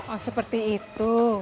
oh seperti itu